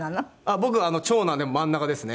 僕長男で真ん中ですね。